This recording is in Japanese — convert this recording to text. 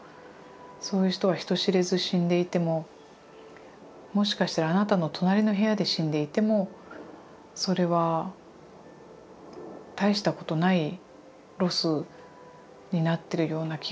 そういう人は人知れず死んでいてももしかしたらあなたの隣の部屋で死んでいてもそれは大したことないロスになってるような気がするんですよね。